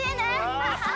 アハハハ！